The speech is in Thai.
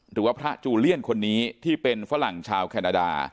หรือว่าพระจูเลียนคนนี้ที่เป็นฝรั่งชาวแคนาดา